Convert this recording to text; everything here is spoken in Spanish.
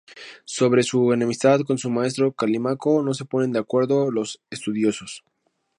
Sobre su enemistad con su maestro Calímaco no se ponen de acuerdo los estudiosos.